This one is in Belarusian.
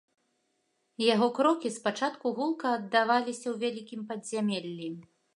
Яго крокі спачатку гулка аддаваліся ў вялікім падзямеллі.